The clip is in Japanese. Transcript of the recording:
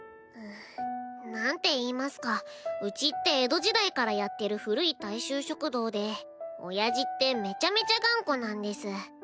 んんなんていいますかうちって江戸時代からやってる古い大衆食堂でおやじってめちゃめちゃ頑固なんです。